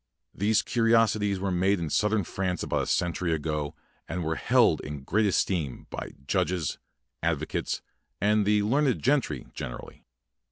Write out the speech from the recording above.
These curiosities were made in southern France about a cen tury ago and were held in great esteem by judges, advocates, and the learned gentry generally.